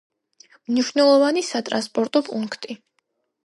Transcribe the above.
მნიშვნელოვანი სატრანსპორტო პუნქტი.